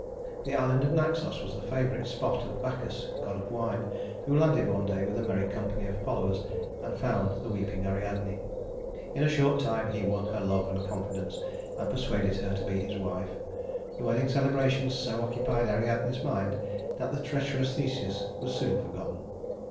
The island of Naxos was the favorite spot of Bacchus, god of wine, who landed one day with a merry company of followers, and found the weeping Ariadne. In a short time he won her love and confidence, and persuaded her to be his wife. The wedding celebrations so occupied Ariadne's mind that the treacherous Theseus was soon forgotten.